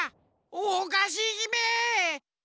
おかしひめ！